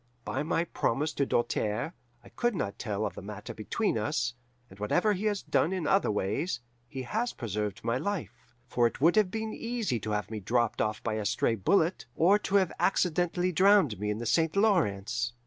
By my promise to Doltaire, I could not tell of the matter between us, and whatever he has done in other ways, he has preserved my life; for it would have been easy to have me dropped off by a stray bullet, or to have accidentally drowned me in the St. Lawrence.